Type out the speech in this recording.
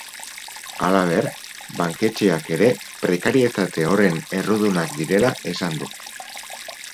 Halaber, banketxeak ere prekarietate horren errudunak direla esan du.